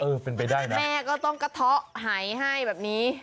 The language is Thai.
เป็นไปได้ไหมแม่ก็ต้องกระเทาะหายให้แบบนี้